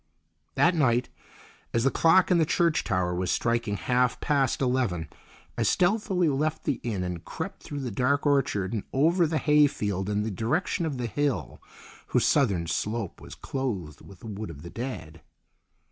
That night, as the clock in the church tower was striking half past eleven, I stealthily left the inn and crept through the dark orchard and over the hayfield in the direction of the hill whose southern slope was clothed with the Wood of the Dead.